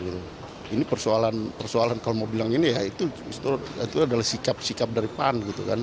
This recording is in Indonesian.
ini persoalan kalau mau bilang gini ya itu adalah sikap sikap dari pan